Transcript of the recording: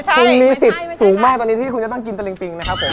คุณมีสิทธิ์สูงมากตอนนี้ที่คุณจะต้องกินตะลิงปิงนะครับผม